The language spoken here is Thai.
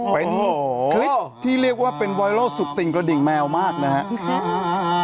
เป็นคลิปที่เรียกว่าเป็นไวรัลสุดติ่งกระดิ่งแมวมากนะครับ